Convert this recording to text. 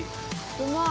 うまい！